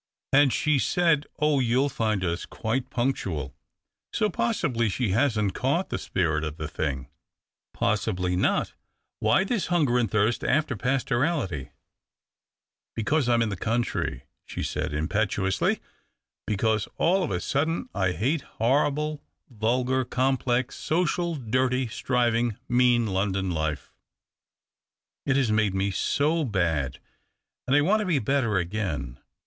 And she said, ' Oh, you'll find us quite punctual !' So possibly she hasn't caught the spirit of the thing." " Possibly not. Why this hunger and thirst after pastorality ?"" Because I'm in the country," she said impetuously ;" because all of a sudden I hate horrible, vulgar, complex, social, dirty, striving, mean London life. It has made me so bad, and I want to be better again.